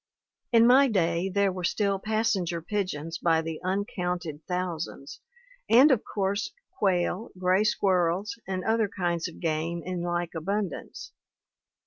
In my day there were still passenger pigeons by the uncounted thousands, and of course quail, gray squir rels, and other kinds of game in like abundance.